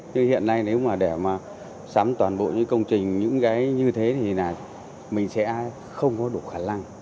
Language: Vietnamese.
nhưng hiện nay nếu mà để sắm toàn bộ những công trình như thế thì mình sẽ không có đủ khả năng